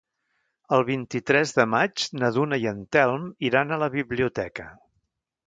El vint-i-tres de maig na Duna i en Telm iran a la biblioteca.